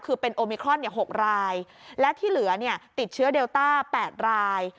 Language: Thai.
คือเป็นโอมิครอน๖รายและที่เหลือเนี่ยติดเชื้อเดลต้า๘ราย